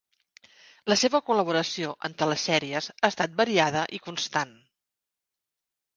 La seva col·laboració en telesèries ha estat variada i constant.